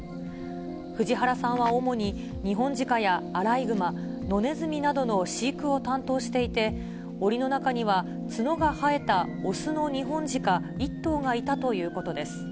藤原さんは、主にニホンジカやアライグマ、ノネズミなどの飼育を担当していて、おりの中には、角が生えた雄のニホンジカ１頭がいたということです。